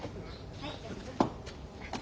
はい大丈夫？